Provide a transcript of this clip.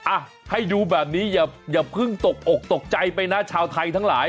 อ่ะให้ดูแบบนี้อย่าเพิ่งตกอกตกใจไปนะชาวไทยทั้งหลาย